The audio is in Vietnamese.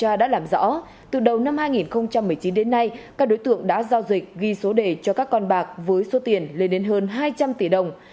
hôm nay các đối tượng đã giao dịch ghi số đề cho các con bạc với số tiền lên đến hơn hai trăm linh tỷ đồng